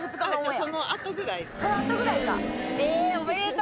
その後ぐらいか。